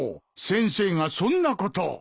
先生がそんなことを。